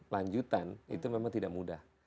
lanjutan itu memang tidak mudah